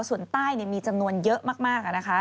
ส่วนใต้มีจำนวนเยอะมากนะคะ